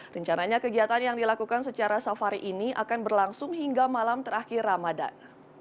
rencananya kegiatan yang dilakukan secara safari ini akan berlangsung hingga malam terakhir ramadan